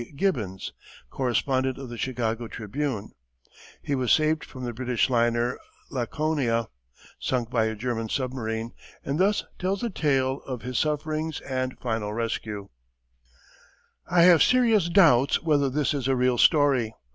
Gibbons, correspondent of the Chicago Tribune. He was saved from the British liner, Laconia, sunk by a German submarine, and thus tells the tale of his sufferings and final rescue: I have serious doubts whether this is a real story.